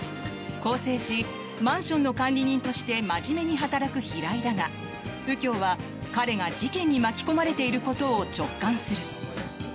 更生しマンションの管理人として真面目に働く平井だが右京は、彼が事件に巻き込まれていることを直感する。